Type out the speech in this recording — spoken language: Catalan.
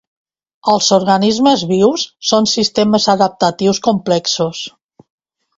Els organismes vius són sistemes adaptatius complexos.